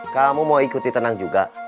kamu mau ikut ditendang juga